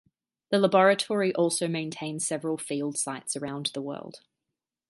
The laboratory also maintains several field sites around the world.